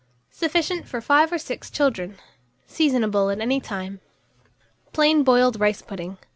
Sufficient for 5 or 6 children. Seasonable at any time. PLAIN BOILED RICE PUDDING.